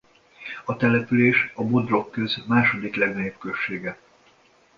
A település a Bodrogköz második legnagyobb községe.